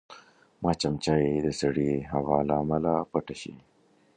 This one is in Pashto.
مچمچۍ د سړې هوا له امله پټه شي